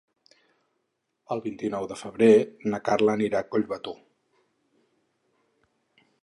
El vint-i-nou de febrer na Carla anirà a Collbató.